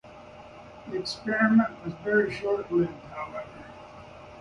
The experiment was very short-lived, however.